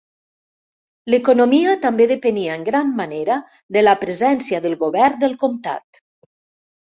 L'economia també depenia en gran manera de la presència del govern del comtat.